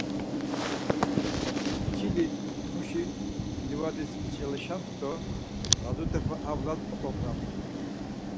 Çili muşi livadis içalişams do lazut̆epe avlas oǩobğams.